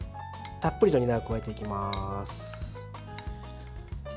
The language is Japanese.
たっぷりとにらを加えていきます。